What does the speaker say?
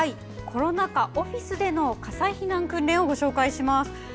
コロナ禍、オフィスでの火災避難訓練についてお伝えします。